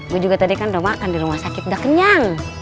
gue juga tadi kan udah makan di rumah sakit udah kenyang